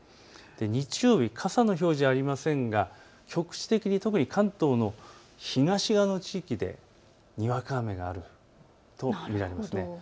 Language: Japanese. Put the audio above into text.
日曜日、傘の表示はありませんが局地的に特に関東の東側の地域でにわか雨があると見られます。